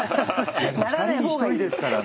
２人に１人ですからね。